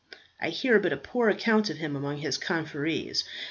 I hear but a poor account of him among his confreres.